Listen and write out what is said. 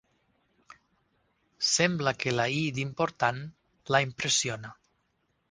Sembla que la i d'important la impressiona.